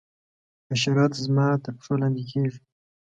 حشرات زما تر پښو لاندي کیږي.